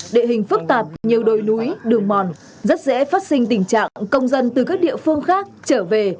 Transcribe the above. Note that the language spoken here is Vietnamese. địa hình phức tạp nhiều đồi núi đường mòn rất dễ phát sinh tình trạng công dân từ các địa phương khác trở về